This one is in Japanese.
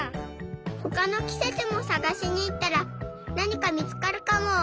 ほかのきせつもさがしにいったらなにかみつかるかも。